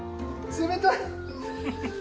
冷たい。